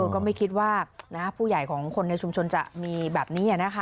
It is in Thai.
ก็ไม่คิดว่าผู้ใหญ่ของคนในชุมชนจะมีแบบนี้